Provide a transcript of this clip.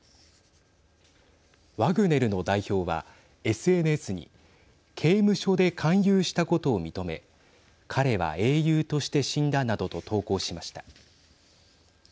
ワグネルの代表はＳＮＳに刑務所で勧誘したことを認め彼は英雄として死んだなどと投稿しました。